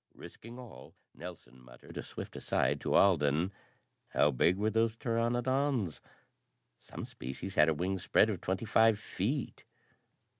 Risking all, Nelson muttered a swift aside to Alden. "How big were those pteranodons?" "Some species had a wing spread of twenty five feet."